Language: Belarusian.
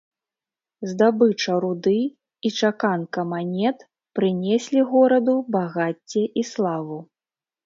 Здабыча руды і чаканка манет прынеслі гораду багацце і славу.